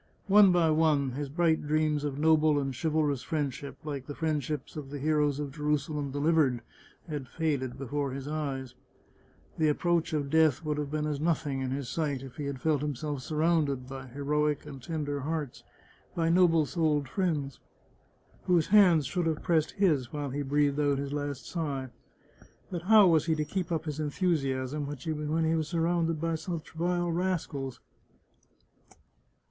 One by one his bright dreams of noble and chivalrous friendship — like the friendships of the heroes of Jerusalem Delivered — had faded before his eyes ! The approach of death would have been as nothing in his sight if he had felt himself surrounded by heroic and tender hearts, by noble souled friends, whose hands should have pressed his while he breathed out his last sigh. But how was he to keep up his enthusiasm when he was surrounded by such vile rascals?